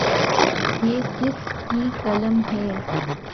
یہ کس کی قلم ہے ؟